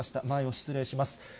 前を失礼します。